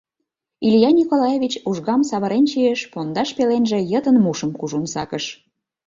Илья Николаевич ужгам савырен чийыш, пондаш пеленже йытын мушым кужун сакыш.